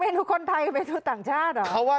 เมนูคนไทยกับเมนูต่างชาติ